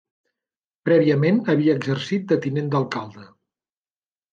Prèviament havia exercit de tinent d'alcalde.